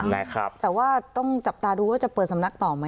มั่นตั้งทีละ